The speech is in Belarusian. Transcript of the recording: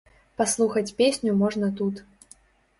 Паслухаць песню можна тут.